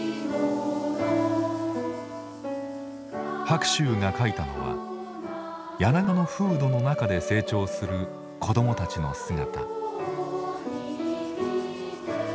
白秋が書いたのは柳川の風土の中で成長する子どもたちの姿。